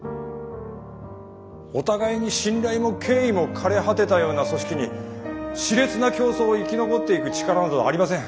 お互いに信頼も敬意も枯れ果てたような組織に熾烈な競争を生き残っていく力などありません。